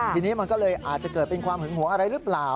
ทีนี้มันก็เลยอาจจะเกิดเป็นความหึงหวงอะไรหรือเปล่า